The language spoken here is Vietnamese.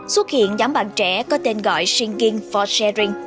xuất hiện nhóm bạn trẻ có tên gọi sinking force